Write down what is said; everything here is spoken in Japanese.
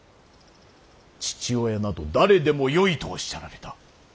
父親など誰でもよいとおっしゃられた！